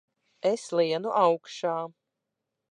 Es lienu augšā!